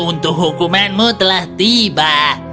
untuk hukumanmu telah tiba